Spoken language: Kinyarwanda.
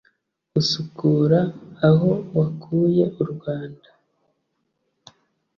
Usukura aho wakuye u Rwanda